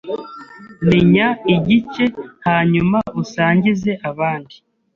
Menya igice hanyuma usangize abandi